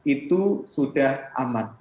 itu sudah aman